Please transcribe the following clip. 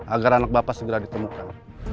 agar anak bapak segera ditemukan